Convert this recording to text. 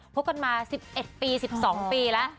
พบกันมา๑๑ปี๑๒ปีแล้ว